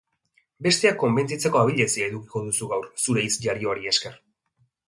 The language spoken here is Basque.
Besteak konbentzitzeko abilezia edukiko duzu gaur zure hitz jarioari esker.